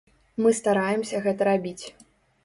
Мы стараемся гэта рабіць.